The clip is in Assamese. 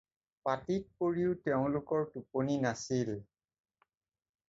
পাটীত পৰিও তেওঁলোকৰ টোপনি নাছিল।